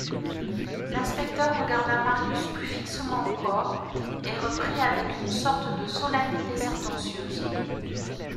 L'inspecteur regarda Marius plus fixement encore et reprit avec une sorte de solennité sentencieuse.